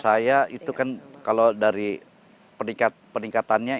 saya itu kan kalau dari peningkatannya itu kan kalau angkanya di sekitar tujuh orang